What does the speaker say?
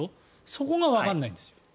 そこがわからないんですよ。